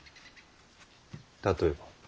例えば？